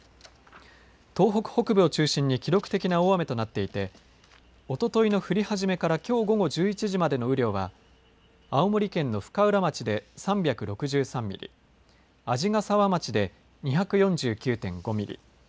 東北北部を中心に記録的な大雨となっていておとといの降り始めからきょう午後１１時までの雨量は青森県の深浦町で３６３ミリ鰺ヶ沢町で２４９．５ミリ